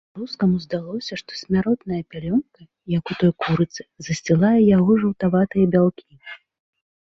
Рускаму здалося, што смяротная пялёнка, як у той курыцы, засцілае яго жаўтаватыя бялкі.